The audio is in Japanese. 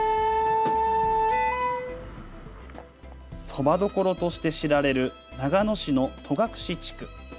そばどころとして知られる長野市の戸隠地区。